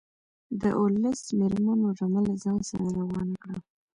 د اوولس مېرمنو رمه له ځان سره روانه کړه.